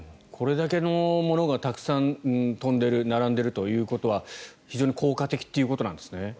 これだけのものがたくさん飛んでいる並んでいるということは非常に効果的ということなんですね。